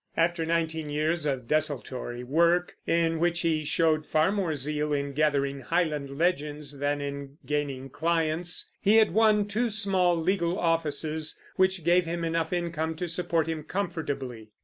After nineteen years of desultory work, in which he showed far more zeal in gathering Highland legends than in gaining clients, he had won two small legal offices which gave him enough income to support him comfortably.